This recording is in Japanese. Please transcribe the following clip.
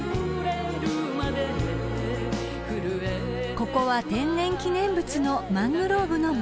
［ここは天然記念物のマングローブの森］